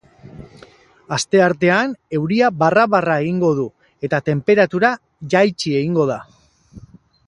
Asteartean, euria barra-barra egingo du, eta tenperatura jaitsi egingo da.